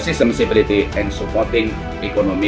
dan mendukung pengembangan ekonomi